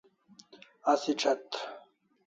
Asi ch'etr